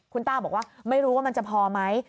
คุณต้าบอกว่าไม่รู้ว่ามันจะพอไหม